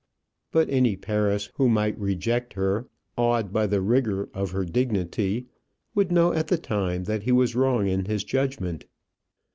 But any Paris who might reject her, awed by the rigour of her dignity, would know at the time that he was wrong in his judgment.